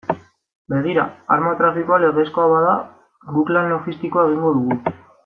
Begira, arma trafikoa legezkoa bada, guk lan logistikoa egingo dugu.